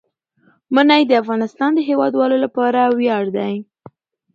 منی د افغانستان د هیوادوالو لپاره ویاړ دی.